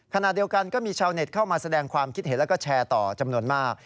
ขณะเดียวกันก็มีชาวเน็ตเข้ามาแสดงความคิดเห็นแล้วก็แชร์ต่อจำนวนมาก